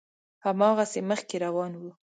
هماغسې مخکې روان و.